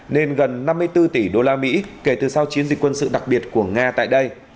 lên gần năm mươi bốn tỷ usd kể từ sau chiến dịch quân sự đặc biệt của nga tại đây